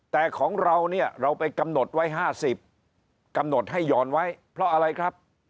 แต่ของเราเนี่ยเราไปกำหนดไว้๕๐กำหนดให้หย่อนไว้เพราะอะไรครับ